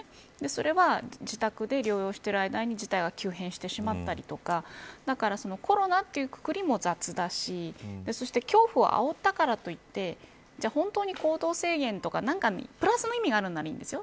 それは自宅で療養している間に事態が急変してしまったりとかだから、そのコロナというくくりも雑だしそして恐怖をあおったからといってじゃあ本当に行動制限とか何かプラスの意味があるならいいんですよ。